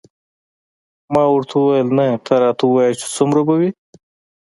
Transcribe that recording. ما ورته وویل نه راته ووایه چې څومره به وي.